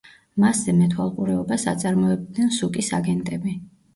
მასზე მეთვალყურეობას აწარმოებდნენ სუკის აგენტები.